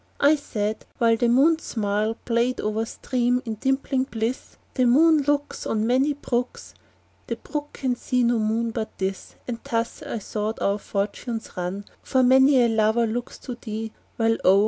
I said (while The moon's smile Played o'er a stream, in dimpling bliss,) "The moon looks "On many brooks, "The brook can see no moon but this;" And thus, I thought, our fortunes run, For many a lover looks to thee, While oh!